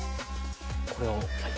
これを？